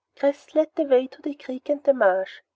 Chris led the way to the creek and the marsh.